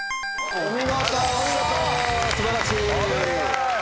お見事素晴らしい。